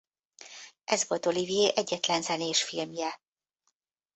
Ez volt Olivier egyetlen zenés filmje.